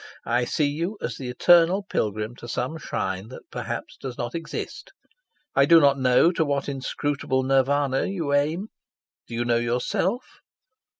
I see you as the eternal pilgrim to some shrine that perhaps does not exist. I do not know to what inscrutable Nirvana you aim. Do you know yourself?